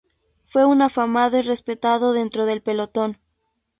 Fue un afamado y respetado dentro del pelotón.